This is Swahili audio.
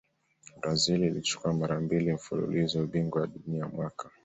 brazil ilichukua mara mbili mfululizo ubingwa wa dunia mwaka